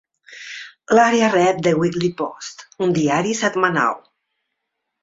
L'àrea rep "The Weekly Post", un diari setmanal.